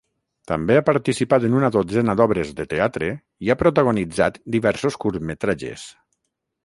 També ha participat en una dotzena d'obres de teatre i ha protagonitzat diversos curtmetratges.